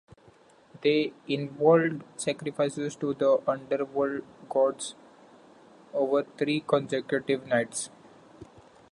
They involved sacrifices to the underworld gods over three consecutive nights.